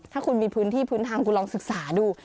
ถ้าคุณมีพื้นที่พื้นทางคุณลองศึกษาดู